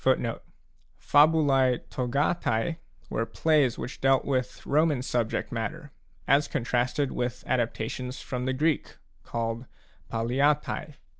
d Fabulae togatae were plays which dealt with Roman subject matter, as contrasted with adaptations from the Greek, called palliatae.